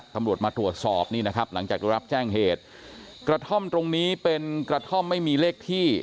ตำรวจมาตรวจสอบนี่นะครับหลังจากได้รับแจ้งเหตุกระท่อมตรงนี้เป็นกระท่อมไม่มีเลขที่